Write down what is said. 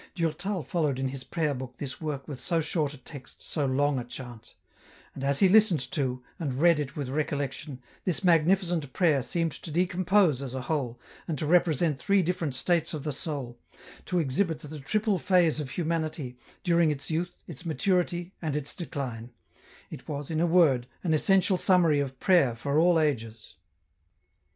Durtal followed in his prayer book this work with so short a text, so long a chant ; and as he listened to, and read it with recollection, this magnificent prayer seemed to decompose as a whole, and to represent three different 1 66 EN ROUTE. states of the soul, to exhibit the triple phase of humanity, during its youth, its maturity, and its decline ; it was, in a word, an essential summary of prayer for all ages.